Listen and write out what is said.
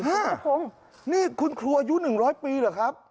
ครับผมนี่คุณครูอายุ๑๐๐ปีเหรอครับ